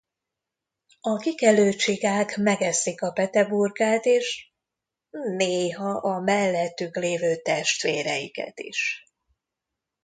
A kikelő csigák megeszik a pete burkát és néha a mellettük lévő testvéreiket is.